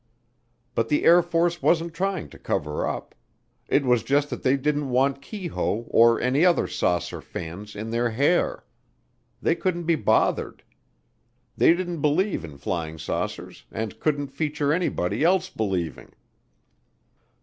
But the Air Force wasn't trying to cover up. It was just that they didn't want Keyhoe or any other saucer fans in their hair. They couldn't be bothered. They didn't believe in flying saucers and couldn't feature anybody else believing.